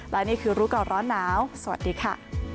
และนี่คือรู้ก่อนร้อนหนาวสวัสดีค่ะ